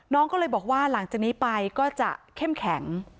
น้องก็เลยบอกว่าหลังจากนี้ไปก็จะเข้มแข็ง